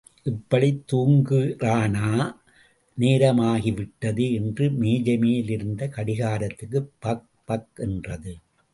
இப்படித் தூங்குகிறானே, நேரம் ஆகிவிட்டதே என்று மேஜை மேல் இருந்த கடிகாரத்திற்கு பக் பக் என்றது.